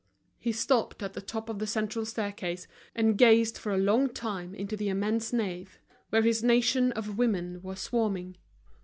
He stopped at the top of the central staircase, and gazed for a long time into the immense nave, where his nation of women were swarming.